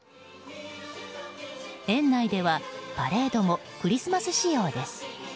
園内ではパレードもクリスマス仕様です。